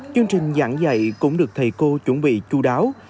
chương trình giảng dạy cũng được thầy cô chuẩn bị chú đáo